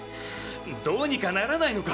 どうにかならないのか？